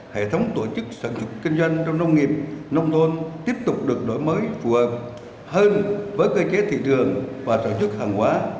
hệ thống tổ chức sản xuất kinh doanh trong nông nghiệp nông thôn tiếp tục được đổi mới phù hợp hơn với cơ chế thị trường và sản xuất hàng hóa